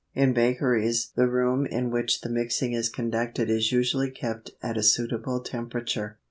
In bakeries the room in which the mixing is conducted is usually kept at a suitable temperature.